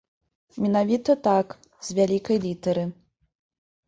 Менавіта так, з вялікай літары.